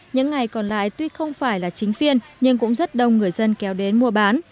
những ngày còn lại tuy không phải là chính phiên nhưng cũng rất đông người dân kéo đến mua bán